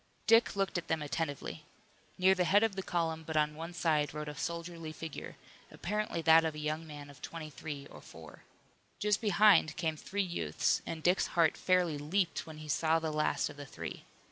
Dick looked at them attentively. Near the head of the column but on one side rode a soldierly figure, apparently that of a young man of twenty three or four. Just behind came three youths, and Dick's heart fairly leaped when he saw the last of the three.